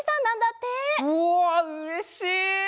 うわうれしい！